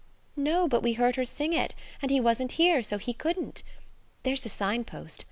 "No; but we heard her sing it, and he wasn't here, so he couldn't. There's a sign post.